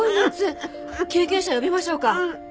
救急車呼びましょうか？